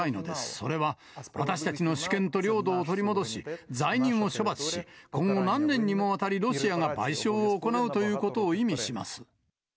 それは私たちの主権と領土を取り戻し、罪人を処罰し、今後何年にもわたり、ロシアが賠償を行うということを意味します。